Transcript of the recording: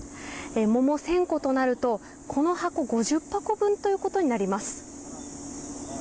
桃１０００個となるとこの箱５０箱分ということになります。